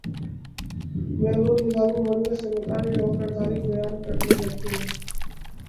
محمود نظامی منظر سے متاثر ہو کر تاریخ بیان کرنے لگتے ہیں